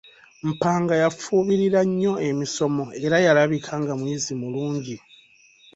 Mpanga yafubirira nnyo emisomo era yalabika nga muyizi mulungi.